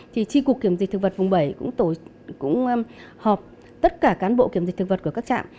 thì tri cục kiểm dịch thực vật vùng bảy cũng họp tất cả cán bộ kiểm dịch thực vật của các trạm